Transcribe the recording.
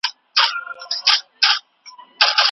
معلومات د څېړنې د موضوع لپاره راټول سوي.